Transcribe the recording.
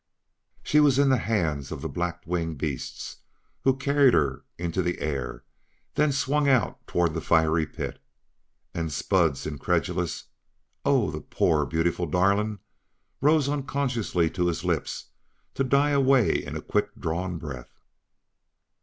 She was in the hands of the black winged beasts who carried her into the air then swung out toward the fiery pit. And Spud's incredulous: "Oh, the poor, beautiful darlin'!" rose unconsciously to his lips to die away in a quick drawn breath.